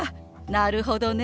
なるほどね。